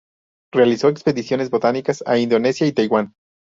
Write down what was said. Realizó expediciones botánicas a Indonesia, y Taiwán.